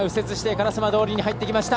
烏丸通に入ってきました。